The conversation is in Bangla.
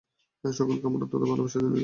সকলকে আমার অনন্ত ভালবাসা জানিও।